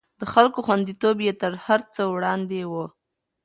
د خلکو خونديتوب يې تر هر څه وړاندې و.